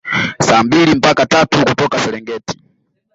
Saa mbili mpaka tatu kutoka Serengeti